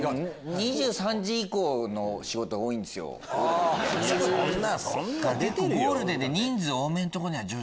２３時以降の仕事が多いんですよオードリーって。